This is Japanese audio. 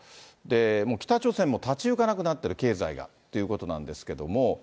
もう北朝鮮も立ち行かなくなっている、経済が、ということなんですけれども。